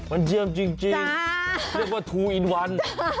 มันเชื่อมจริงเรียกว่าทูอินวัน